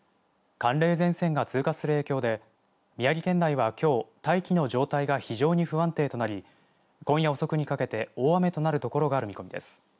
寒冷前線が通過する影響で宮城県内はきょう大気の状態が非常に不安定となり今夜、遅くにかけて大雨となる所がある見込みです。